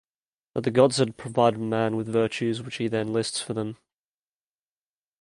That the gods had provided man with virtues which he then lists for them.